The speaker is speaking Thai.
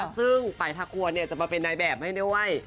ซึ่งปลายทะควรจะมาเป็นนายแบบให้ด้วย